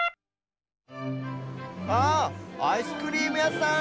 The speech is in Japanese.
ああアイスクリームやさん。